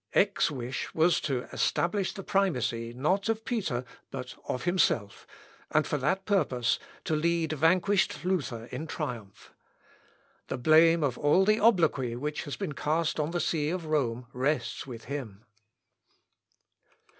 Eck's wish was to establish the primacy not of Peter but of himself, and, for that purpose, to lead vanquished Luther in triumph. The blame of all the obloquy which has been cast on the see of Rome rests with him."